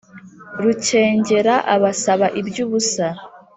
rukengera abasaba iby’ubusa